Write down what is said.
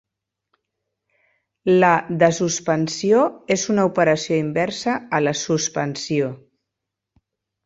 La desuspensió és una operació inversa a la suspensió.